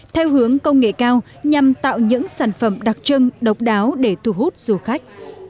theo hướng công nghệ cao nhằm tạo những sản phẩm đặc trưng độc đáo để thu hút du khách